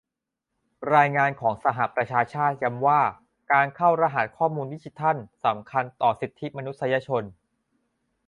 รายงานของสหประชาชาติย้ำว่าการเข้ารหัสข้อมูลดิจิทัลสำคัญต่อสิทธิมนุษยชน